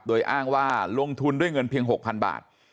โดยอ้างว่าลงทุนด้วยเงินเพียง๖๐๐๐บาท